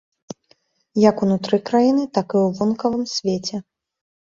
Як ўнутры краіны, так і ў вонкавым свеце.